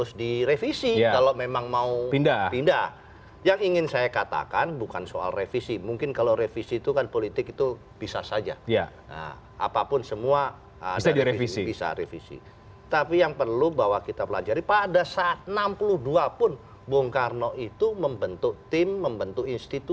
saya menginginkan ini komprehensif